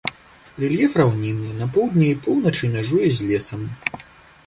Рэльеф раўнінны, на поўдні і поўначы мяжуе з лесам.